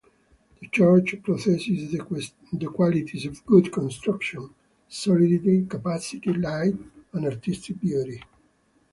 The church possesses the qualities of good construction: solidity, capacity, light and artistic beauty.